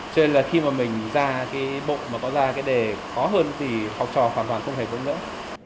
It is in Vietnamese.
cho nên là khi mà mình ra cái bộ mà có ra cái đề khó hơn thì học trò khoảng khoảng không hề vững nữa